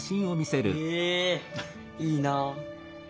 へえいいなあ。